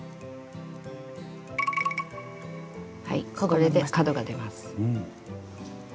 はいこれで角が出ます。